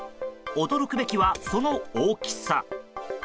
驚くべきは、その大きさ。